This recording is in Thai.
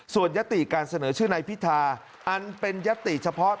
ส่วนยติการเสนอชื่อนายพิธาอันเป็นยติเฉพาะ